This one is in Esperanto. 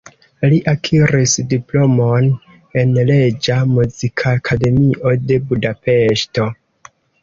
Li akiris diplomon en Reĝa Muzikakademio de Budapeŝto.